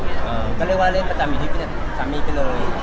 ก็เรียกว่าเล่นประจำอยู่ที่สามีไปเลย